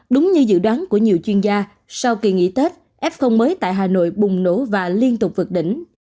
đúng như dự đoán của nhiều chuyên gia sau kỳ nghỉ tết f mới tại hà nội bùng nổ và liên tục vượt đỉnh